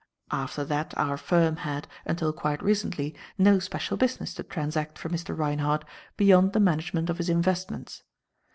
"After that our firm had, until quite recently, no special business to transact for Mr. Reinhardt beyond the management of his investments.